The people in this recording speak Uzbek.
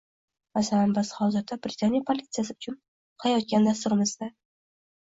Masalan, biz hozirda Britaniya politsiyasi uchun qilayotgan dasturimizda